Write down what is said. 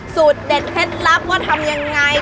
สูตรเด็ดเพชรลัพย์ว่าทำยังไง